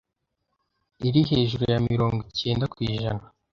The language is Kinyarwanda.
iri hejuru ya mirongo icyenda kw’ijana